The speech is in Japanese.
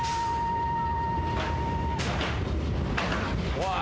おい。